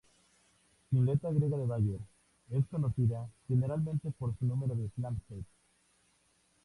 Sin letra griega de Bayer, es conocida generalmente por su número de Flamsteed.